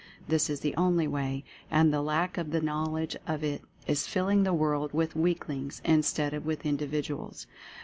This is the only way, and the lack of the knowledge of it is filling the world with weaklings instead of with Individuals.